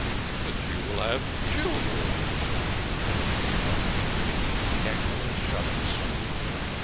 " But you will have children," retorted da Costa. Yankele shrugged his shoulders.